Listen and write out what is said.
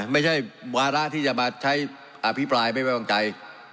ไม่ใช่วาระที่จะมาใช้อภิปรายไม่ไว้วางใจ